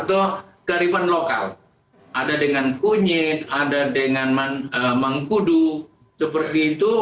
atau kearifan lokal ada dengan kunyit ada dengan mangkudu